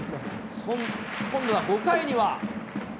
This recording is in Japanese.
今度は５回には。